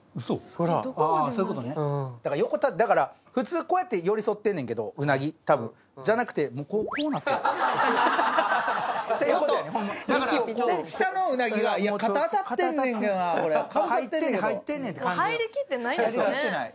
ほらああそういうことねだから普通こうやって寄り添ってんねんけどうなぎたぶんじゃなくてもうこうなってるだから下のうなぎが肩当たってんねんなあこれ入ってんねん入ってんねんて感じ入りきってないですよね